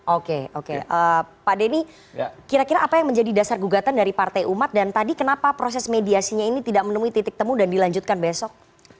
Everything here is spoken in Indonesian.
oke oke pak denny kira kira apa yang menjadi dasar gugatan dari partai umat dan tadi kenapa proses mediasinya ini tidak menemui titik temu dan dilanjutkan besok